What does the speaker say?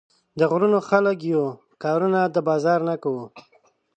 د غرونو خلک يو، کارونه د بازار نۀ کوو